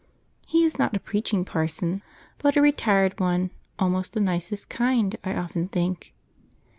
He is not a preaching parson, but a retired one, almost the nicest kind, I often think.